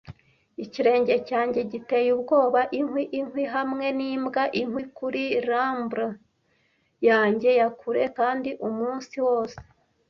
Ikirenge cyanjye giteye ubwoba inkwi-inkwi hamwe nimbwa-inkwi kuri ramble yanjye ya kure kandi umunsi wose,